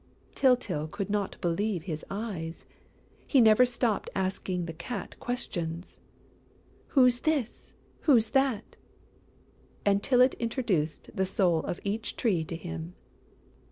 Tyltyl could not believe his eyes. He never stopped asking the Cat questions: "Who's this?... Who's that?..." And Tylette introduced the soul of each Tree to him.